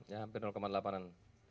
ya hampir delapan an